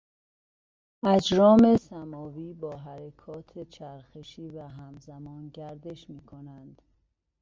اجرام سماوی با حرکات چرخشی و همزمان گردش میکنند.